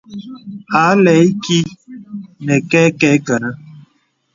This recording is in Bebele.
A lɛ̂ ìkì nə kɛkɛ kə̀nɛ̂.